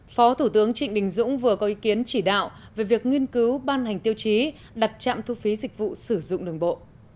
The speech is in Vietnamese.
phó thủ tướng trịnh đình dũng vừa có ý kiến chỉ đạo về việc nghiên cứu ban hành tiêu chí đặt trạm thu phí dịch vụ sử dụng đường bộ